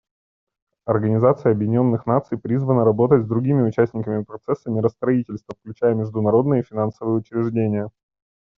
Организация Объединенных Наций призвана работать с другими участниками процесса миростроительства, включая международные финансовые учреждения.